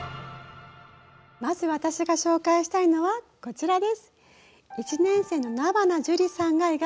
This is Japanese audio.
まず私が紹介したいのはこちらです。